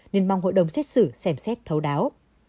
nên mong hội đồng xét xử xem xét thấu đáo